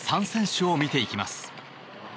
３選手を見ていきます。